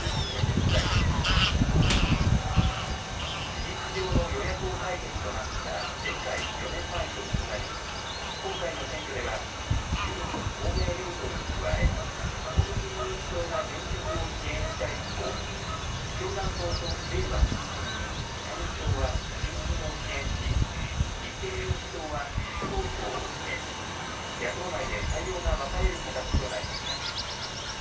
事実上の与野党対決となった、前回・４年前と異なり、今回の選挙では自民、公明両党に加え、国民民主党が現職を支援した一方、共産党とれいわ新選組、社民党は新人を支援し、立憲民主党は自主投票を決め、野党内で対応が分かれる形となりました。